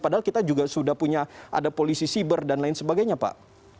padahal kita juga sudah punya ada polisi siber dan lain sebagainya pak